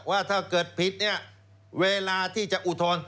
ว่าถ้าเกิดผิดเวลาที่จะอุทร